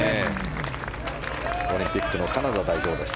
オリンピックのカナダ代表です。